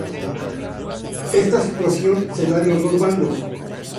Esta situación se da en los dos bandos.